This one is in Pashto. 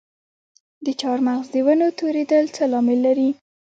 د چهارمغز د ونو توریدل څه لامل لري؟